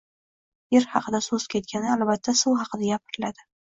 Yer haqida so‘z ketganda albatta suv haqida gapiriladi.